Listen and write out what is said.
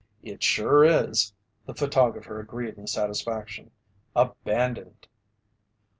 "It sure is," the photographer agreed in satisfaction. "Abandoned!"